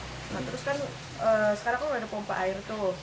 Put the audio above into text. nah terus kan sekarang kan udah ada pompa air tuh